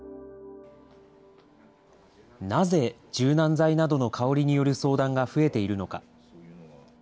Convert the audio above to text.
なぜ柔軟剤などの香りによる相談が増えているのか。